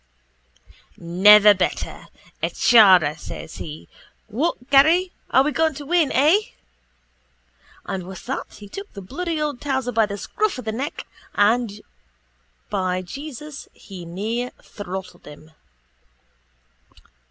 —Never better, a chara, says he. What Garry? Are we going to win? Eh? And with that he took the bloody old towser by the scruff of the neck and, by Jesus, he near throttled him.